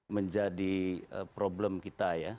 menjadi problem kita ya